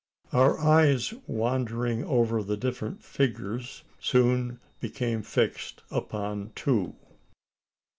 Our eyes, wandering over the different figures, soon became fixed upon two.